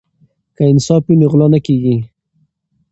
که انصاف وي نو غلا نه کیږي.